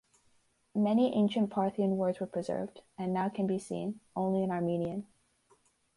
Many ancient Parthian words were preserved, and now can be seen, only in Armenian.